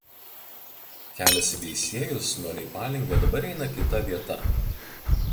Kelias į Veisiejus nuo Leipalingio dabar eina kita vieta.